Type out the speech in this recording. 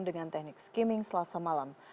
dengan teknik skimming selasa malam